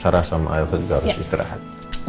sarah sama ayah saya juga harus istirahat